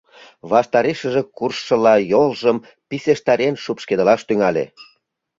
Ваштарешыже куржшыла, йолжым писештарен шупшкедылаш тӱҥале.